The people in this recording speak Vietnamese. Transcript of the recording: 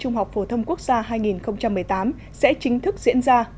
trung học phổ thông quốc gia hai nghìn một mươi tám sẽ chính thức diễn ra